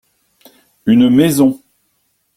Une maison.